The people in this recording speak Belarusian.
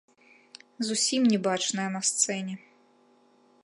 Зусім не бачная на сцэне.